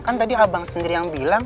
kan tadi abang sendiri yang bilang